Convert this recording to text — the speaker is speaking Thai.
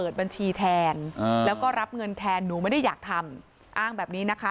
บัญชีแทนแล้วก็รับเงินแทนหนูไม่ได้อยากทำอ้างแบบนี้นะคะ